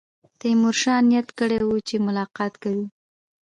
تیمورشاه نیت کړی وو چې ملاقات کوي.